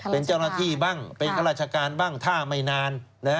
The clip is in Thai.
เป็นเจ้าหน้าที่บ้างเป็นข้าราชการบ้างถ้าไม่นาน